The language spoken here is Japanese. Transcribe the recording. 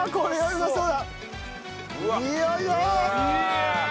うまそう。